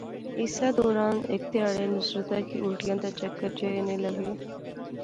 اسے دوران ہیک تہاڑے نصرتا کی الٹیاں تے چکر جئے اینے لاغے